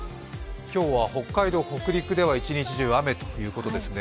今日は北海道、北陸では一日雨ということですね。